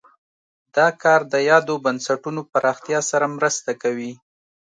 دا کار د یادو بنسټونو پراختیا سره مرسته کوي.